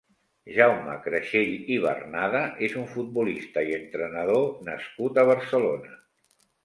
Jaume Creixell i Barnada és un futbolista i entrenador nascut a Barcelona.